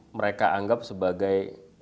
mereka anggap sebagai